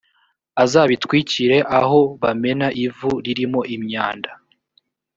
azabitwikire aho bamena ivu ririmo imyanda